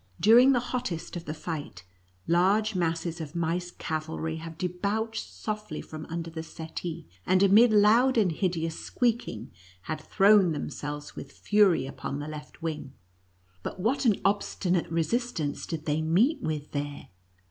During the hottest of the %ht, large masses of mice cavalry had de NUTCRACKER AND MOUSE KING. 45 bouched softly from under the settee, and amid loud and hideous squeaking had thrown them selves with fury upon the left wing ; but what an obstinate resistance did they meet with there